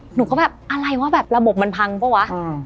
หนูก็แบบอะไรวะแบบระบบมันพังเปล่าวะ